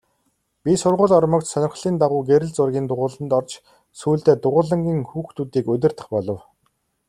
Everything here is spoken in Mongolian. Би сургуульд ормогц сонирхлын дагуу гэрэл зургийн дугуйланд орж сүүлдээ дугуйлангийн хүүхдүүдийг удирдах болов.